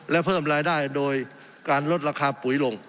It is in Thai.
และเพิ่มรายได้โดยการลดราคาปุ๋ยลง